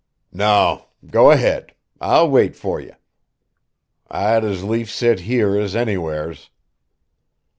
"No. Go ahead. I'll wait for ye. I'd as lief sit here as anywheres."